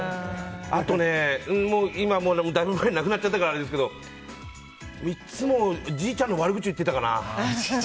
あとね、今、だいぶ前に亡くなっちゃったからあれですけどいつも、じいちゃんの悪口言ってたかな。